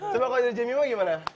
coba kalo dari jemimu gimana